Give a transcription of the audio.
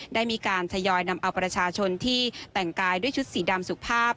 ได้มีการทยอยนำเอาประชาชนที่แต่งกายด้วยชุดสีดำสุภาพ